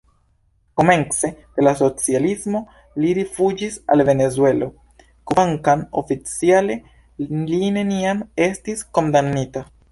Komence de la socialismo li rifuĝis al Venezuelo, kvankam oficiale li neniam estis kondamnita.